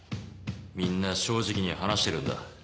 みんな正直に話してるんだ。